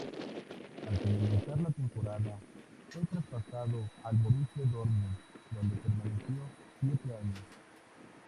Al finalizar la temporada fue traspasado al Borussia Dortmund, donde permaneció siete años.